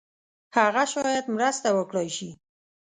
هغه شاید مرسته وکړای شي.